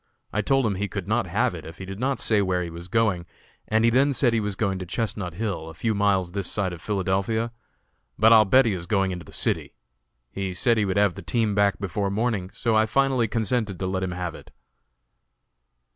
I told him he could not have it if he did not say where he was going, and he then said he was going to Chestnut Hill, a few miles this side of Philadelphia, but I'll bet he is going into the city. He said he would have the team back before morning, so I finally consented to let him have it."